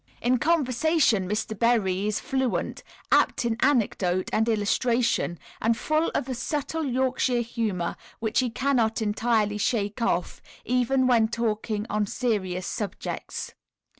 In conversation Mr. Berry is fluent, apt in anecdote and illustration, and full of a subtle Yorkshire humour which he cannot entirely shake off even when talking on serious subjects.